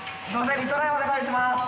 リトライお願いします。